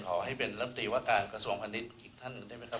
ขอให้เป็นลำตีว่าการกระทรวงพาณิชย์อีกท่านหนึ่งได้ไหมครับ